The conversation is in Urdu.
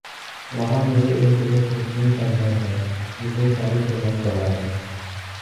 وہاں میرے ایک دوست وسیم کا گھر ہے جو کئی سالوں سے بند پڑا ہے ۔